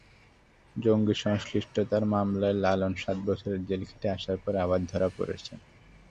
জঙ্গিসংশ্লিষ্টতার মামলায় লালন সাত বছর জেল খেটে আসার পরে আবার ধরা পড়েন।